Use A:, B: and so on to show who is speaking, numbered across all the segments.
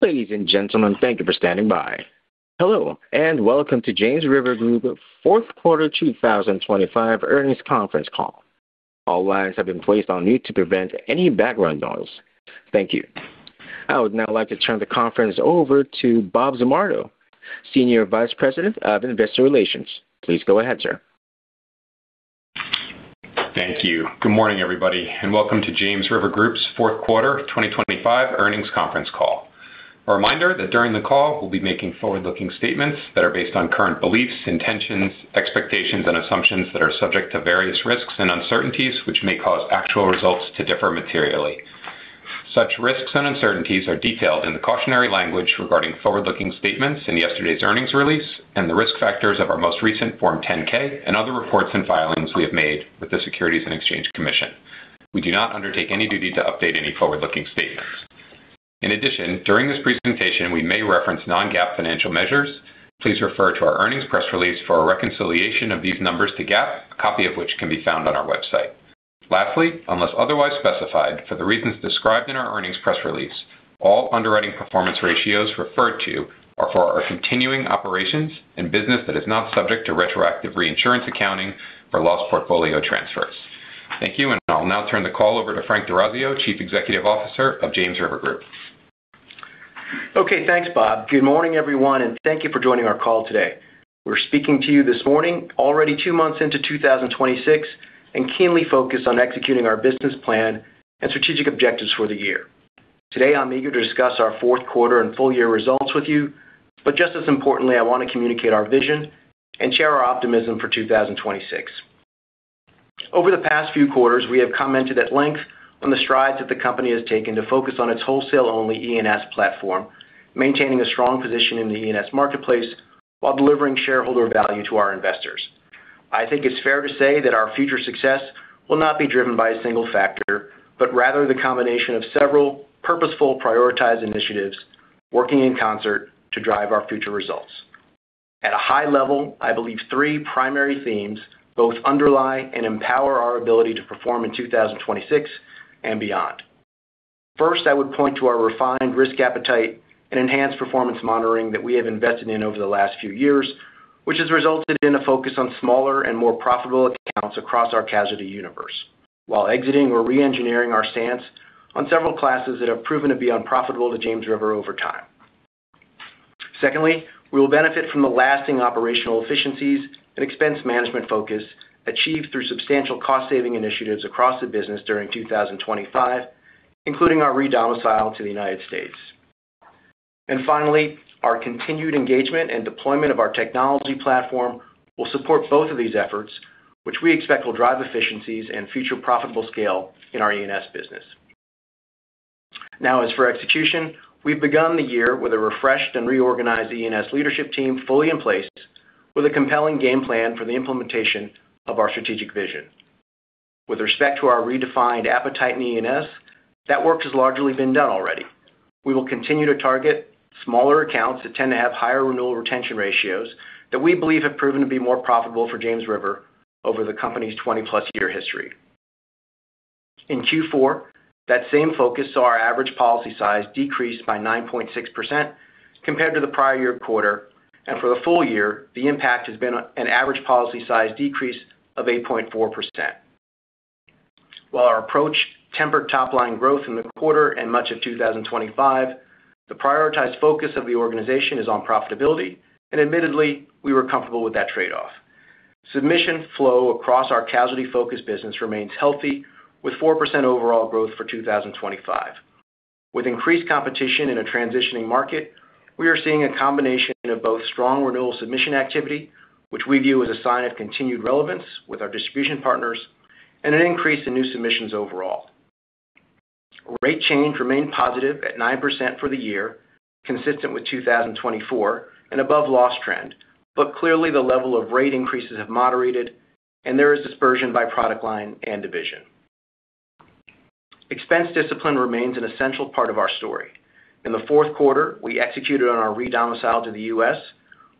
A: Ladies and gentlemen, thank you for standing by. Hello, welcome to James River Group's Fourth Quarter 2025 Earnings Conference Call. All lines have been placed on mute to prevent any background noise. Thank you. I would now like to turn the conference over to Bob Zamardo, Senior Vice President of Investor Relations. Please go ahead, sir.
B: Thank you. Good morning, everybody. Welcome to James River Group's fourth quarter 2025 earnings conference call. A reminder that during the call, we'll be making forward-looking statements that are based on current beliefs, intentions, expectations, and assumptions that are subject to various risks and uncertainties, which may cause actual results to differ materially. Such risks and uncertainties are detailed in the cautionary language regarding forward-looking statements in yesterday's earnings release and the risk factors of our most recent Form 10-K and other reports and filings we have made with the Securities and Exchange Commission. We do not undertake any duty to update any forward-looking statements. In addition, during this presentation, we may reference non-GAAP financial measures. Please refer to our earnings press release for a reconciliation of these numbers to GAAP, a copy of which can be found on our website. Lastly, unless otherwise specified, for the reasons described in our earnings press release, all underwriting performance ratios referred to are for our continuing operations and business that is not subject to retroactive reinsurance accounting or loss portfolio transfers. Thank you, and I'll now turn the call over to Frank D'Orazio, Chief Executive Officer of James River Group.
C: Okay. Thanks, Bob. Good morning, everyone, and thank you for joining our call today. We're speaking to you this morning, already 2 months into 2026, and keenly focused on executing our business plan and strategic objectives for the year. Today, I'm eager to discuss our fourth quarter and full year results with you, but just as importantly, I want to communicate our vision and share our optimism for 2026. Over the past few quarters, we have commented at length on the strides that the company has taken to focus on its wholesale-only E&S platform, maintaining a strong position in the E&S marketplace while delivering shareholder value to our investors. I think it's fair to say that our future success will not be driven by a single factor, but rather the combination of several purposeful prioritized initiatives working in concert to drive our future results. At a high level, I believe three primary themes both underlie and empower our ability to perform in 2026 and beyond. First, I would point to our refined risk appetite and enhanced performance monitoring that we have invested in over the last few years, which has resulted in a focus on smaller and more profitable accounts across our casualty universe while exiting or re-engineering our stance on several classes that have proven to be unprofitable to James River over time. Secondly, we will benefit from the lasting operational efficiencies and expense management focus achieved through substantial cost-saving initiatives across the business during 2025, including our re-domicile to the United States. Finally, our continued engagement and deployment of our technology platform will support both of these efforts, which we expect will drive efficiencies and future profitable scale in our E&S business. Now as for execution, we've begun the year with a refreshed and reorganized E&S leadership team fully in place with a compelling game plan for the implementation of our strategic vision. With respect to our redefined appetite in E&S, that work has largely been done already. We will continue to target smaller accounts that tend to have higher renewal retention ratios that we believe have proven to be more profitable for James River over the company's 20-plus year history. In Q4, that same focus saw our average policy size decrease by 9.6% compared to the prior year quarter. For the full year, the impact has been an average policy size decrease of 8.4%. While our approach tempered top-line growth in the quarter and much of 2025, the prioritized focus of the organization is on profitability, and admittedly, we were comfortable with that trade-off. Submission flow across our casualty-focused business remains healthy with 4% overall growth for 2025. With increased competition in a transitioning market, we are seeing a combination of both strong renewal submission activity, which we view as a sign of continued relevance with our distribution partners, and an increase in new submissions overall. Rate change remained positive at 9% for the year, consistent with 2024 and above loss trend. Clearly the level of rate increases have moderated, and there is dispersion by product line and division. Expense discipline remains an essential part of our story. In the fourth quarter, we executed on our re-domicile to the U.S.,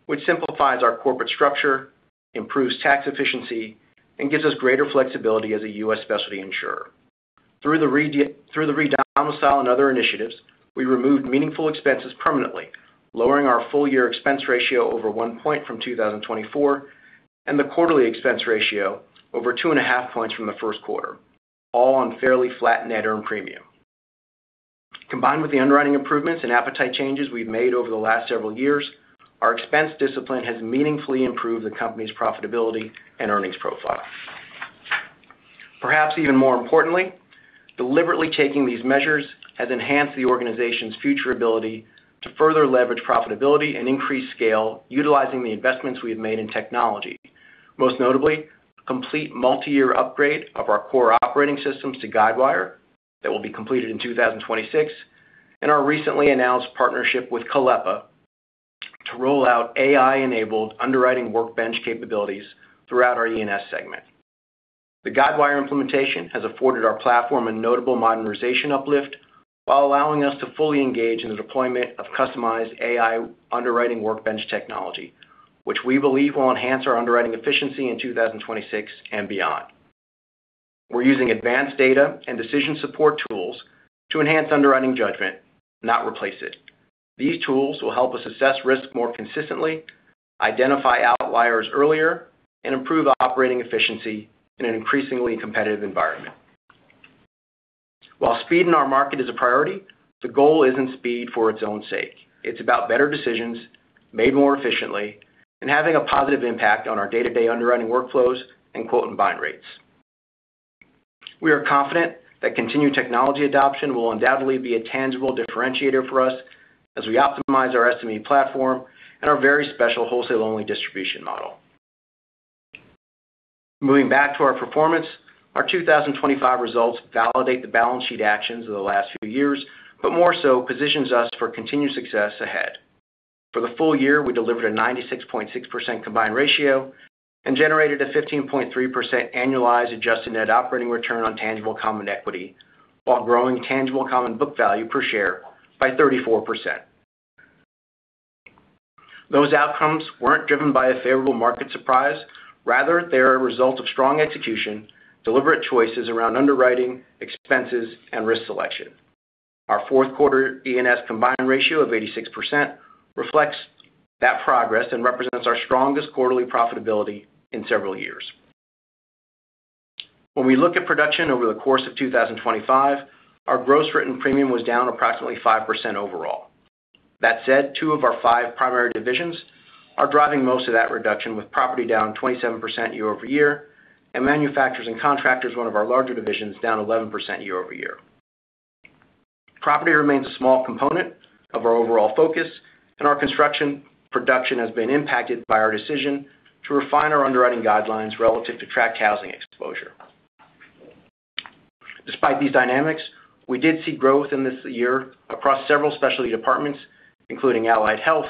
C: which simplifies our corporate structure, improves tax efficiency, and gives us greater flexibility as a U.S. specialty insurer. Through the re-domicile and other initiatives, we removed meaningful expenses permanently, lowering our full year expense ratio over 1 point from 2024, and the quarterly expense ratio over 2.5 points from the first quarter, all on fairly flat net earned premium. Combined with the underwriting improvements and appetite changes we've made over the last several years, our expense discipline has meaningfully improved the company's profitability and earnings profile. Perhaps even more importantly, deliberately taking these measures has enhanced the organization's future ability to further leverage profitability and increase scale utilizing the investments we have made in technology. Most notably, complete multi-year upgrade of our core operating systems to Guidewire that will be completed in 2026, and our recently announced partnership with Kalepa to roll out AI-enabled underwriting workbench capabilities throughout our E&S segment. The Guidewire implementation has afforded our platform a notable modernization uplift while allowing us to fully engage in the deployment of customized AI underwriting workbench technology, which we believe will enhance our underwriting efficiency in 2026 and beyond. We're using advanced data and decision support tools to enhance underwriting judgment, not replace it. These tools will help us assess risk more consistently, identify outliers earlier, and improve operating efficiency in an increasingly competitive environment. While speed in our market is a priority, the goal isn't speed for its own sake. It's about better decisions made more efficiently and having a positive impact on our day-to-day underwriting workflows and quote and bind rates. We are confident that continued technology adoption will undoubtedly be a tangible differentiator for us as we optimize our SME platform and our very special wholesale-only distribution model. Moving back to our performance, our 2025 results validate the balance sheet actions of the last few years, but more so positions us for continued success ahead. For the full year, we delivered a 96.6% combined ratio and generated a 15.3% annualized adjusted net operating return on tangible common equity, while growing tangible common book value per share by 34%. Those outcomes weren't driven by a favorable market surprise. Rather, they are a result of strong execution, deliberate choices around underwriting, expenses, and risk selection. Our fourth quarter E&S combined ratio of 86% reflects that progress and represents our strongest quarterly profitability in several years. When we look at production over the course of 2025, our Gross Written Premium was down approximately 5% overall. That said, 2 of our 5 primary divisions are driving most of that reduction, with property down 27% year-over-year, and manufacturers and contractors, one of our larger divisions, down 11% year-over-year. Property remains a small component of our overall focus, and our construction production has been impacted by our decision to refine our underwriting guidelines relative to tract housing exposure. Despite these dynamics, we did see growth in this year across several specialty departments, including Allied Health,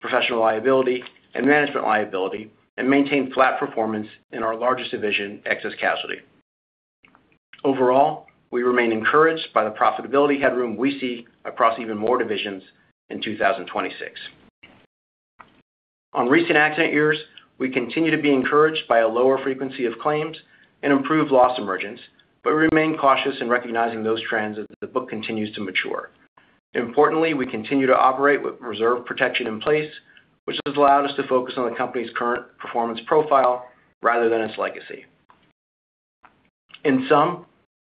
C: Professional Liability, and Management Liability, and maintained flat performance in our largest division, excess casualty. Overall, we remain encouraged by the profitability headroom we see across even more divisions in 2026. On recent accident years, we continue to be encouraged by a lower frequency of claims and improved loss emergence, but remain cautious in recognizing those trends as the book continues to mature. Importantly, we continue to operate with reserve protection in place, which has allowed us to focus on the company's current performance profile rather than its legacy. In sum,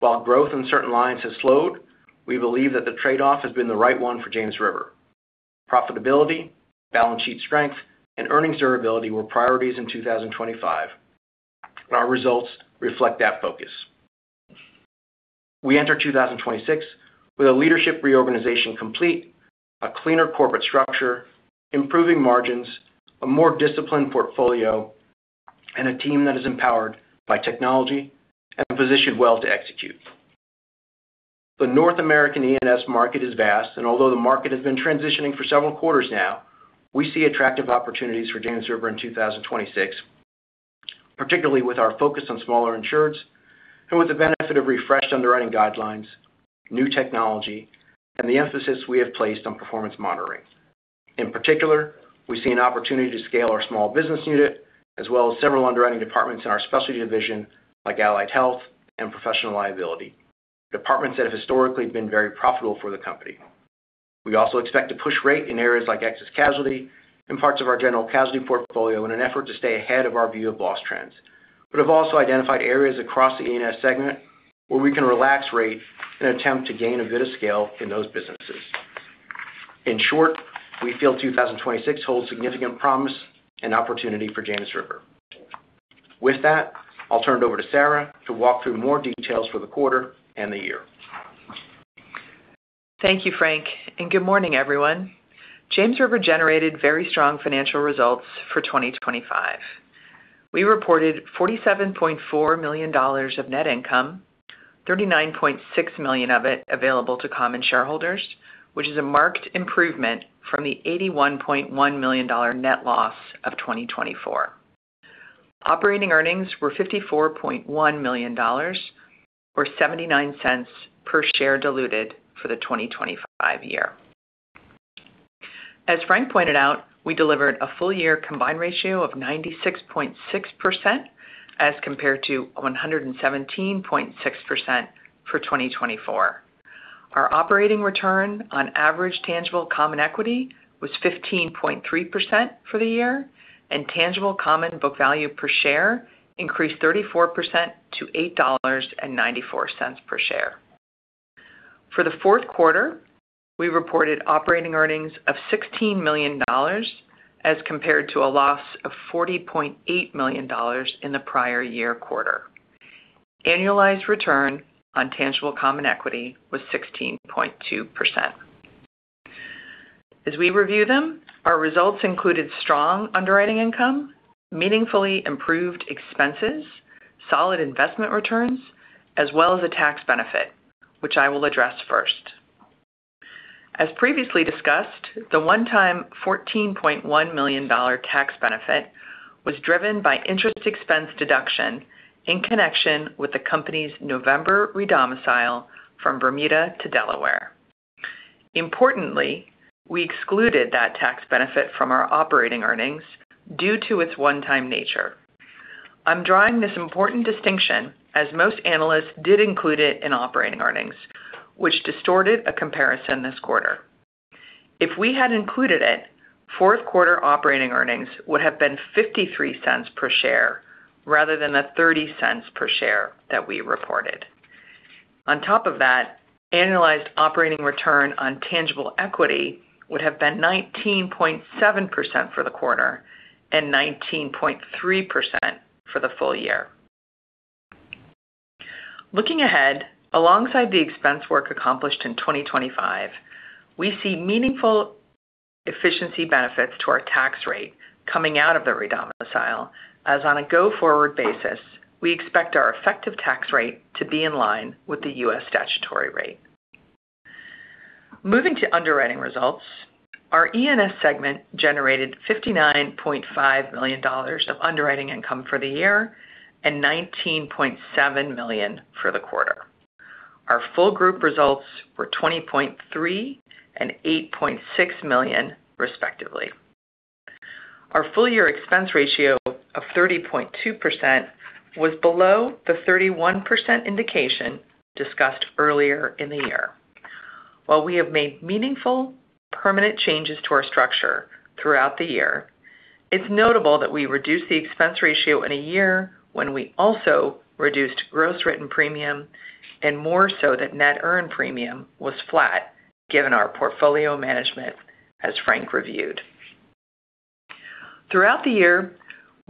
C: while growth in certain lines has slowed, we believe that the trade-off has been the right one for James River. Profitability, balance sheet strength, and earnings durability were priorities in 2025, and our results reflect that focus. We enter 2026 with a leadership reorganization complete, a cleaner corporate structure, improving margins, a more disciplined portfolio, and a team that is empowered by technology and positioned well to execute. The North American E&S market is vast, and although the market has been transitioning for several quarters now, we see attractive opportunities for James River in 2026, particularly with our focus on smaller insureds and with the benefit of refreshed underwriting guidelines, new technology, and the emphasis we have placed on performance monitoring. In particular, we see an opportunity to scale our small business unit, as well as several underwriting departments in our specialty division, like Allied Health and Professional Liability, departments that have historically been very profitable for the company. We also expect to push rate in areas like excess casualty and parts of our general casualty portfolio in an effort to stay ahead of our view of loss trends. Have also identified areas across the E&S segment where we can relax rate in an attempt to gain a bit of scale in those businesses. In short, we feel 2026 holds significant promise and opportunity for James River. With that, I'll turn it over to Sarah to walk through more details for the quarter and the year.
D: Thank you, Frank. Good morning, everyone. James River generated very strong financial results for 2025. We reported $47.4 million of net income, $39.6 million of it available to common shareholders, which is a marked improvement from the $81.1 million net loss of 2024. Operating earnings were $54.1 million or $0.79 per share diluted for the 2025 year. As Frank pointed out, we delivered a full year combined ratio of 96.6% as compared to 117.6% for 2024. Our operating return on average tangible common equity was 15.3% for the year, and tangible common book value per share increased 34% to $8.94 per share. For the fourth quarter, we reported operating earnings of $16 million as compared to a loss of $40.8 million in the prior year quarter. Annualized return on tangible common equity was 16.2%. As we review them, our results included strong underwriting income, meaningfully improved expenses, solid investment returns, as well as a tax benefit, which I will address first. As previously discussed, the one-time $14.1 million tax benefit was driven by interest expense deduction in connection with the company's November redomicile from Bermuda to Delaware. Importantly, we excluded that tax benefit from our operating earnings due to its one-time nature. I'm drawing this important distinction as most analysts did include it in operating earnings, which distorted a comparison this quarter. If we had included it, fourth quarter operating earnings would have been $0.53 per share rather than the $0.30 per share that we reported. On top of that, analyzed operating return on tangible equity would have been 19.7% for the quarter and 19.3% for the full year. Looking ahead, alongside the expense work accomplished in 2025, we see meaningful efficiency benefits to our tax rate coming out of the redomicile, as on a go-forward basis, we expect our effective tax rate to be in line with the U.S. statutory rate. Moving to underwriting results, our E&S segment generated $59.5 million of underwriting income for the year and $19.7 million for the quarter. Our full group results were $20.3 million and $8.6 million respectively. Our full year expense ratio of 30.2% was below the 31% indication discussed earlier in the year. While we have made meaningful permanent changes to our structure throughout the year, it's notable that we reduced the expense ratio in a year when we also reduced Gross Written Premium, and more so that Net Earned Premium was flat given our portfolio management as Frank reviewed. Throughout the year,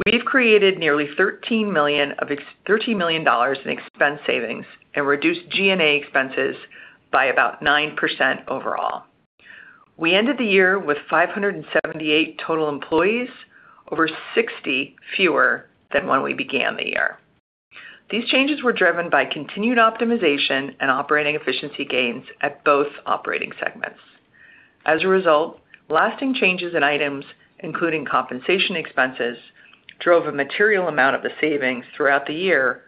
D: we've created nearly $13 million in expense savings and reduced GNA expenses by about 9% overall. We ended the year with 578 total employees, over 60 fewer than when we began the year. These changes were driven by continued optimization and operating efficiency gains at both operating segments. As a result, lasting changes in items, including compensation expenses, drove a material amount of the savings throughout the year,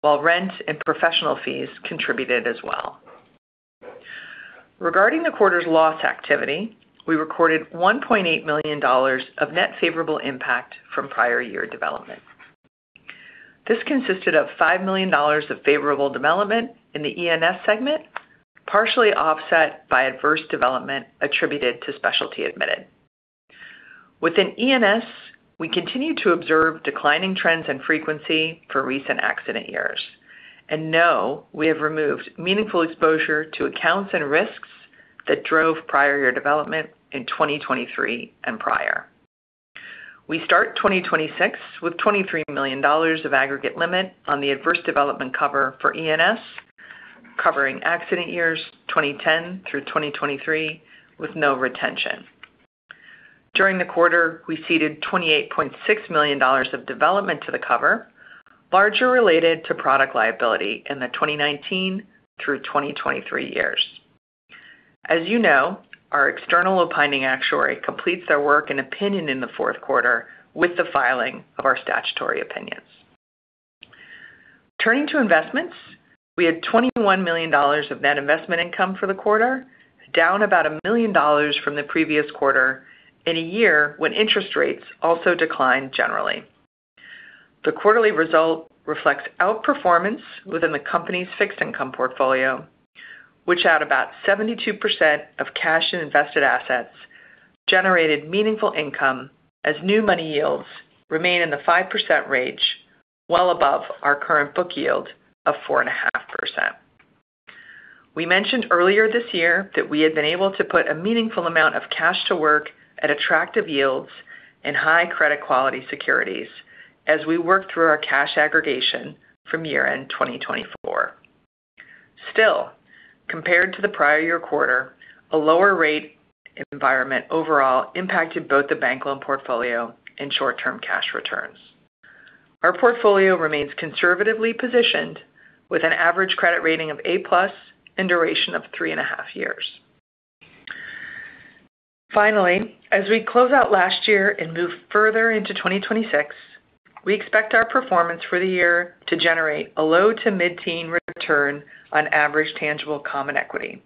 D: while rent and professional fees contributed as well. Regarding the quarter's loss activity, we recorded $1.8 million of net favorable impact from prior year development. This consisted of $5 million of favorable development in the E&S segment, partially offset by adverse development attributed to specialty admitted. Within E&S, we continued to observe declining trends and frequency for recent accident years and know we have removed meaningful exposure to accounts and risks that drove prior year development in 2023 and prior. We start 2026 with $23 million of aggregate limit on the adverse development cover for E&S covering accident years 2010 through 2023 with no retention. During the quarter, we ceded $28.6 million of development to the cover, larger related to product liability in the 2019 through 2023 years. As you know, our external opining actuary completes their work and opinion in the fourth quarter with the filing of our statutory opinions. Turning to investments, we had $21 million of net investment income for the quarter, down about $1 million from the previous quarter in a year when interest rates also declined generally. The quarterly result reflects outperformance within the company's fixed income portfolio, which had about 72% of cash and invested assets generated meaningful income as new money yields remain in the 5% range, well above our current book yield of 4.5%. We mentioned earlier this year that we had been able to put a meaningful amount of cash to work at attractive yields in high credit quality securities as we worked through our cash aggregation from year-end 2024. Compared to the prior year quarter, a lower rate environment overall impacted both the bank loan portfolio and short-term cash returns. Our portfolio remains conservatively positioned with an average credit rating of A+ and duration of three and a half years. As we close out last year and move further into 2026, we expect our performance for the year to generate a low to mid-teen return on average tangible common equity.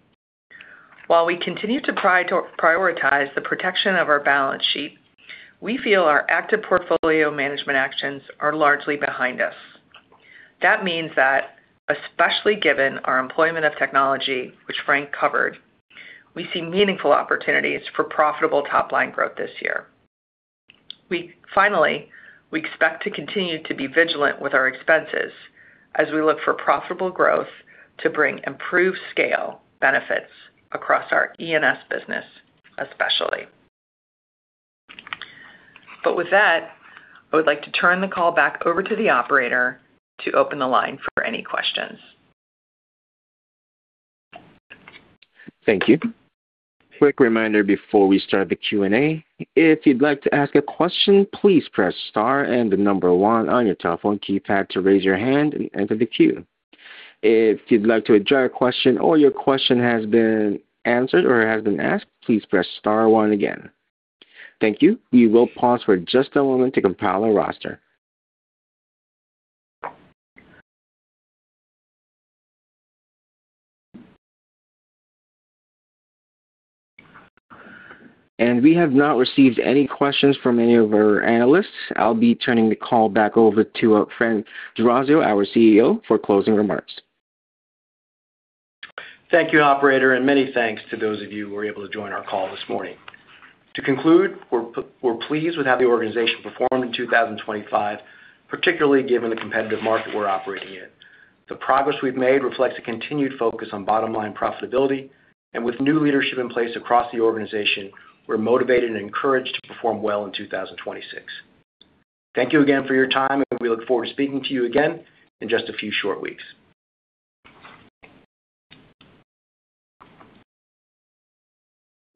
D: We continue to prioritize the protection of our balance sheet, we feel our active portfolio management actions are largely behind us. That means that, especially given our employment of technology, which Frank covered, we see meaningful opportunities for profitable top-line growth this year. Finally, we expect to continue to be vigilant with our expenses as we look for profitable growth to bring improved scale benefits across our E&S business, especially. With that, I would like to turn the call back over to the operator to open the line for any questions.
A: Thank you. Quick reminder before we start the Q&A. If you'd like to ask a question, please press star and the number one on your telephone keypad to raise your hand and enter the queue. If you'd like to withdraw your question or your question has been answered or has been asked, please press star one again. Thank you. We will pause for just a moment to compile a roster. We have not received any questions from any of our analysts. I'll be turning the call back over to Frank D'Orazio, our CEO, for closing remarks.
C: Thank you, operator. Many thanks to those of you who were able to join our call this morning. To conclude, we're pleased with how the organization performed in 2025, particularly given the competitive market we're operating in. The progress we've made reflects a continued focus on bottom-line profitability. With new leadership in place across the organization, we're motivated and encouraged to perform well in 2026. Thank you again for your time. We look forward to speaking to you again in just a few short weeks.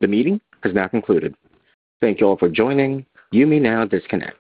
A: The meeting has now concluded. Thank you all for joining. You may now disconnect.